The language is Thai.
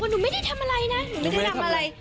หนูไม่ได้ทำอะไรนะหนูไม่ได้ทำอะไร